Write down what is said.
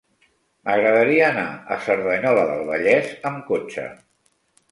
M'agradaria anar a Cerdanyola del Vallès amb cotxe.